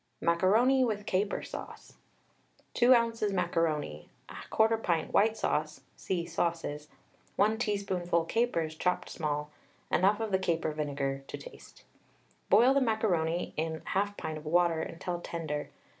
MACARONI WITH CAPER SAUCE. 2 oz. macaroni, 1/4 pint white sauce (see "Sauces"); 1 teaspoonful capers chopped small, enough of the caper vinegar to taste. Boil the macaroni in 1/2 pint of water until tender.